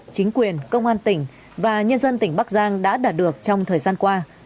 chính quyền công an tỉnh và nhân dân tỉnh bắc giang đã đạt được trong thời gian qua